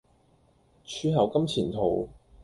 柱侯金錢肚